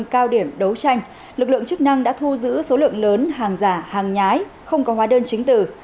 trong cao điểm đấu tranh lực lượng chức năng đã thu giữ số lượng lớn hàng giả hàng nhái không có hóa đơn chính tử